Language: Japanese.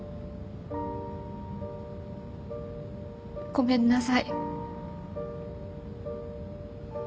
ごめんなさい。